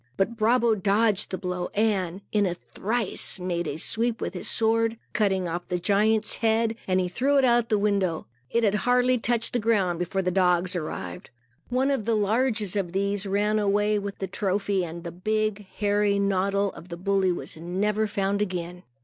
But Brabo dodged the blow and, in a trice, made a sweep with his sword. Cutting off the giant's head, he threw it out the window. It had hardly touched the ground, before the dogs arrived. One of the largest of these ran away with the trophy and the big, hairy noddle of the bully was never found again.